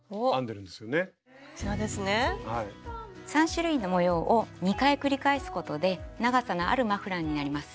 ３種類の模様を２回繰り返すことで長さのあるマフラーになります。